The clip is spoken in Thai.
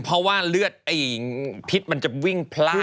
เพราะว่าเลือดพิษมันจะวิ่งพลาด